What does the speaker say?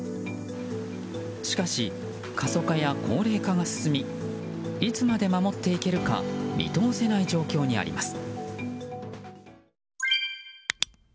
しかし、過疎化や高齢化が進みいつまで守っていけるか見通せない状況にあります。